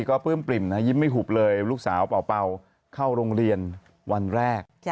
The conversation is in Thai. ก็ปลื้มปริ่มนะยิ้มไม่หุบเลยลูกสาวเป่าเข้าโรงเรียนวันแรก